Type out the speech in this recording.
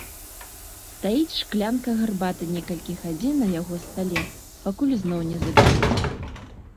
Стаіць шклянка гарбаты некалькі гадзін на яго стале, пакуль зноў не забяруць.